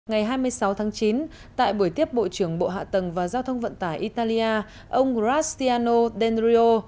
ngày hai mươi sáu tháng chín tại buổi tiếp bộ trưởng bộ hạ tầng và giao thông vận tải italia ông grastiano denrio